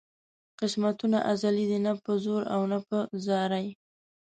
قسمتونه ازلي دي نه په زور او نه په زارۍ.